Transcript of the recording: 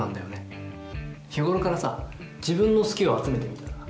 日頃からさ自分の好きを集めてみたら？